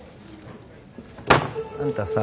あんたさ